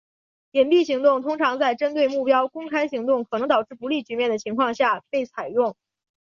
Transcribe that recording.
隐蔽行动通常在针对目标公开行动可能导致不利局面的情况下被采用。